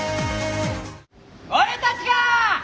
俺たちが！